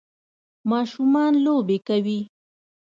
ماشومان لوبې کوي